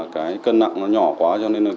cân nặng nó nhỏ quá cho nên